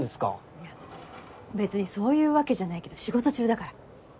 いや別にそういうわけじゃないけど仕事中だから。